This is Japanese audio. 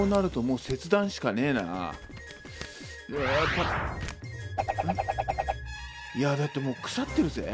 こうなるといやだってもう腐ってるぜ。